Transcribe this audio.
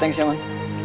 thanks ya man